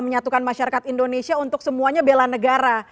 menyatukan masyarakat indonesia untuk semuanya bela negara